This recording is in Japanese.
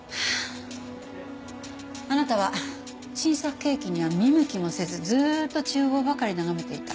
あなたは新作ケーキには見向きもせずずーっと厨房ばかり眺めていた。